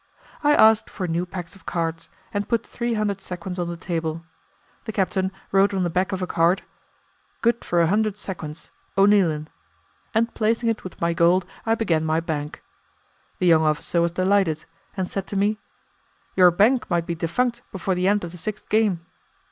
I asked for new packs of cards, and put three hundred sequins on the table. The captain wrote on the back of a card, "Good for a hundred sequins, O'Neilan," and placing it with my gold I began my bank. The young officer was delighted, and said to me, "Your bank might be defunct before the end of the sixth game."